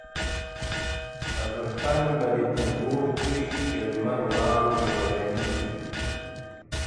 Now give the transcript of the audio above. قبرکن به دي په ګورکړي د لمر وړانګي به ځلېږي.